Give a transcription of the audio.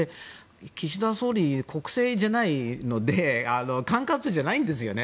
岸田総理、国政じゃないので管轄じゃないんですよね。